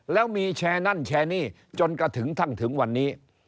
แล้วมีแชร์นั่นแชร์นี่จนกระทั่งถึงวันนี้